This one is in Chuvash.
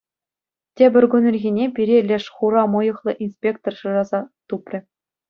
Тепӗр кун ирхине пире леш хура мӑйӑхлӑ инспектор шыраса тупрӗ.